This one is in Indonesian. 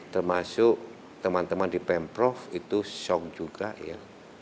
termasuk teman teman di pemprov itu shock juga ya